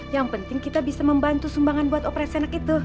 yang penting kita bisa membantu sumbangan buat operasi anak itu